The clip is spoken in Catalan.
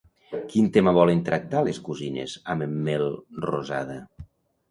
Quin tema volen tractar les cosines amb en Melrosada?